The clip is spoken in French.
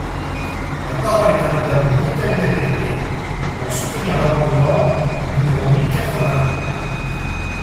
La parole est à Madame Nathalie Appéré, pour soutenir l’amendement numéro mille quatre-vingts.